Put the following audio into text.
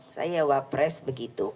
saya wapres begitu